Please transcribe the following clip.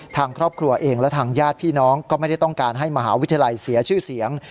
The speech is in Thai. ทางครอบครัวเองและทางญาติพี่น้องก็ไม่ได้ต้องการให้มหาวิทยาลัยเสียชื่อเสียง